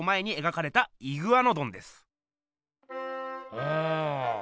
うん。